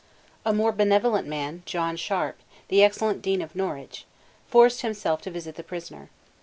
A more benevolent man, John Sharp, the excellent Dean of Norwich, forced himself to visit the prisoner.